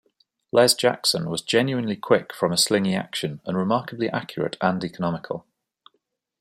Les Jackson was genuinely quick from a slingy action, and remarkably accurate and economical.